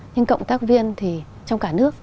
nhưng cộng tác viên thì trong cả nước